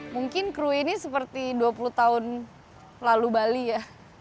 mungkin kru ini seperti dua puluh tahun lalu bali ya